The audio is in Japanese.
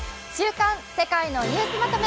間世界のニュースまとめ。